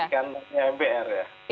di kandangnya mpr ya